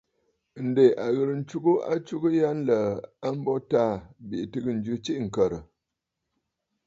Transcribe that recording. Ǹdè a ghɨ̀rə ntsugə atsugə ya nlə̀ə̀ a mbo Taà bìʼì tɨgə jɨ tsiʼì ŋ̀kə̀rə̀.